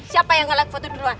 siapa yang nge like foto duluan